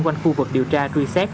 quanh khu vực điều tra truy xét